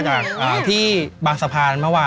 จากบางสะพานมกว่า